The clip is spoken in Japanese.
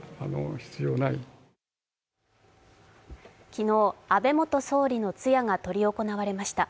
昨日、安倍元総理の通夜が執り行われました。